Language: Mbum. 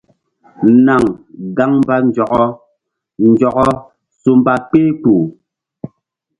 Naŋ gaŋ mba nzɔkɔ nzɔkɔ su mba kpehkpuh.